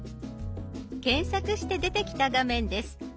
検索して出てきた画面です。